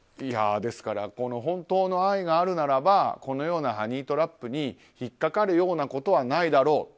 ですから本当の愛があるならばこのようなハニートラップに引っかかるようなことはないだろう。